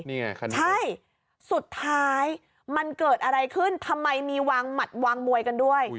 นี่ไงคะใช่สุดท้ายมันเกิดอะไรขึ้นทำไมมีวางหมัดวางมวยกันด้วย